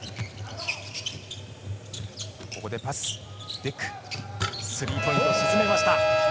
デック、スリーポイントを沈めました。